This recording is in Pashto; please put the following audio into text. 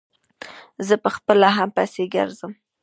زه په خپله هم پسې ګرځم.